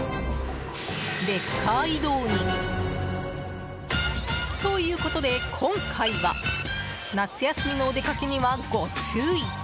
レッカー移動に。ということで今回は夏休みのお出かけにはご注意！